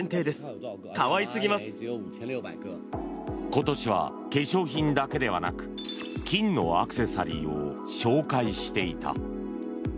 今年は化粧品だけではなく金のアクセサリーを紹介していた。